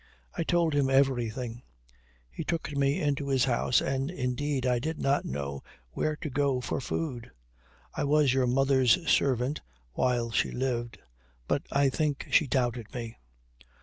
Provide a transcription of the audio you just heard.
I told him everything. He took me into his house, and indeed I did not know where to go for food. I was your mother's servant while she lived, but I think she doubted me.